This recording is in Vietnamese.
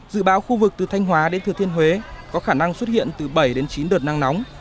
dự báo khu vực từ thanh hóa đến thừa thiên huế có khả năng xuất hiện từ bảy đến chín đợt nắng nóng